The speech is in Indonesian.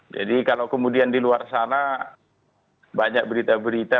jadi kalau kemudian di luar sana banyak berita berita